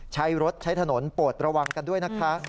ใช้รถใช้ถนนโปรดระวังกันด้วยนะคะ